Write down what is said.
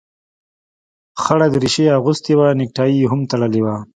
خړه دريشي يې اغوستې وه نيكټايي يې هم تړلې وه.